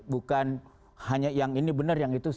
bukan hanya yang ini benar yang itu